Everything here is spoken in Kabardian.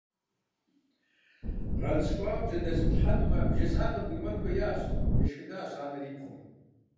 ГъэныщкӀуауэ бжьэдэзмылъхьэнумэ, бжесӀар къыбгурыӀуэн хуеящ, – ешхыдащ анэр и пхъум.